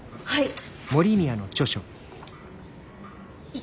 はい。